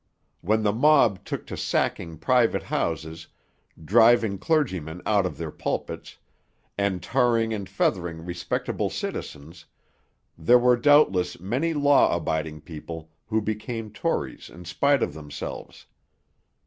When the mob took to sacking private houses, driving clergymen out of their pulpits, and tarring and feathering respectable citizens, there were doubtless many law abiding people who became Tories in spite of themselves.